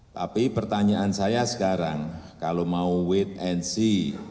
tapi pertanyaan saya sekarang kalau mau wedensi